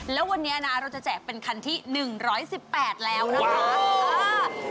แล้ววันนี้นะเราจะแจกเป็นคันที่๑๑๘แล้วนะคะ